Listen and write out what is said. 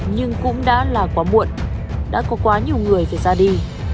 nhưng cũng đã là quá muộn đã có quá nhiều người phải ra đi